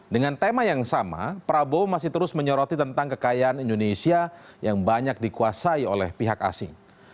dengan tema yang sama prabowo masih terus menyoroti tentang kekayaan indonesia yang banyak dikuasai oleh pihak asing